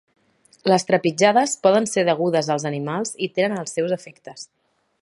Les trepitjades poden ser degudes als animals i tenen els seus efectes.